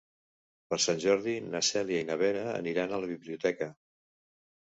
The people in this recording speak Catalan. Per Sant Jordi na Cèlia i na Vera aniran a la biblioteca.